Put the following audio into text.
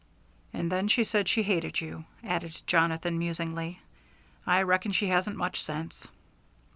"And then she said she hated you," added Jonathan, musingly. "I reckon she hasn't much sense."